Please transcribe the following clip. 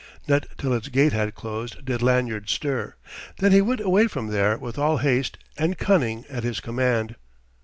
Not till its gate had closed did Lanyard stir. Then he went away from there with all haste and cunning at his command.